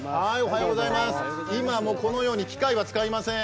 今もこのように機械は使いません。